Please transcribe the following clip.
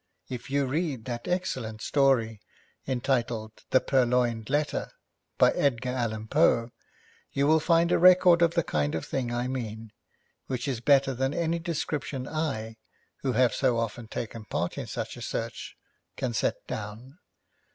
If you read that excellent story, entitled The Purloined Letter, by Edgar Allan Poe, you will find a record of the kind of thing I mean, which is better than any description I, who have so often taken part in such a search, can set down.